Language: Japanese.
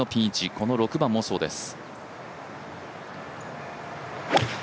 この６番もそうです。